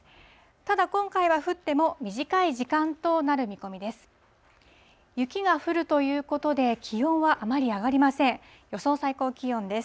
ただ、今回は降っても短い時間となる見込みです。